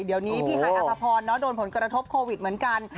เดี๋ยวนี้พี่ฮายอภพรโดนผลกระทบโควิดเหมือนกัน